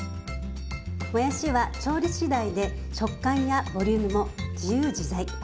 もやしは調理しだいで食感やボリュームも自由自在。